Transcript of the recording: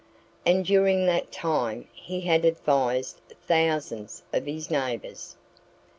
And during that time he had advised thousands of his neighbors.